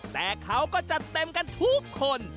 แต่เขาก็จัดเต็มกันทุกคน